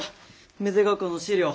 芽出ヶ丘の史料。